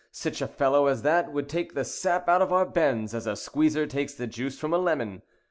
Sich a fellow as that would take the sap out of our bends, as a squeezer takes the juice from a lemon."